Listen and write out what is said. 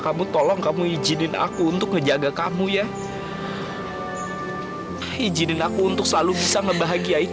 kamu pantes dapat wanita juga yang baik zak